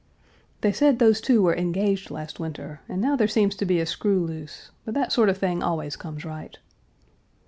"They said those two were engaged last winter, and now there seems to be a screw loose; but that sort of thing always comes right."